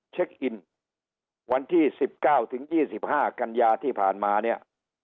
เช็คอินวันที่สิบเก้าถึงยี่สิบห้ากันยาที่ผ่านมาเนี้ย